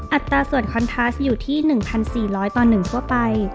อัตราส่วนคอนทัสอยู่ที่๑๔๐๐ต่อ๑ทั่วไป